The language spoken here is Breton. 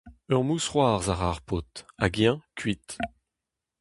Ur mousc'hoarzh a ra ar paotr hag eñ kuit.